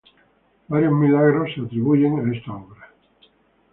Varios milagros son atribuidos a esta obra.